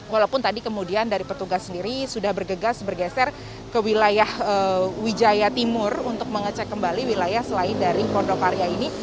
walaupun tadi kemudian dari petugas sendiri sudah bergegas bergeser ke wilayah wijaya timur untuk mengecek kembali wilayah selain dari pondokarya ini